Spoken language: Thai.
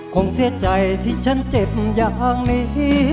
คงเสียใจที่ฉันเจ็บอย่างมี